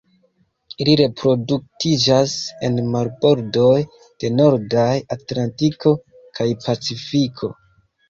Ili reproduktiĝas en marbordoj de nordaj Atlantiko kaj Pacifiko.